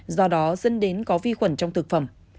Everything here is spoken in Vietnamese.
do đó dân đến có vi khuẩn trong thực phẩm